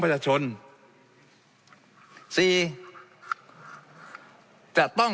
ในการที่จะระบายยาง